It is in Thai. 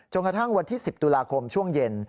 กระทั่งวันที่๑๐ตุลาคมช่วงเย็น